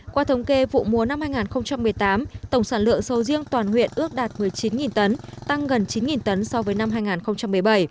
qua thống kê vụ mùa năm hai nghìn một mươi tám tổng sản lượng sầu riêng toàn huyện ước đạt một mươi chín tấn tăng gần chín tấn so với năm hai nghìn một mươi bảy